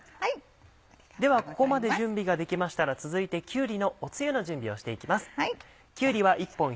ではここまで準備ができましたら続いてきゅうりのお汁の準備をしていきます。